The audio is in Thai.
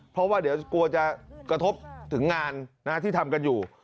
เพราะว่าเดี๋ยวกลัวจะกระทบถึงงานที่ทำกันอยู่